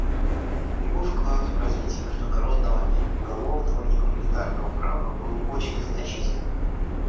Его вклад в развитие международного уголовного и гуманитарного права был очень значительным.